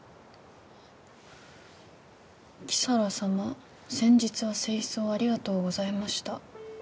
「木皿さま先日は清掃ありがとうございました」